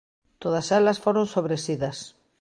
Todas elas foron sobresidas.